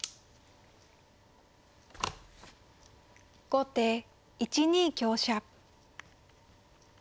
後手１二香車。